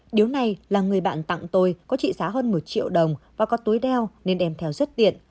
điếu này là người bạn tặng tôi có trị giá hơn một triệu đồng và có tối đao nên đem theo rất tiện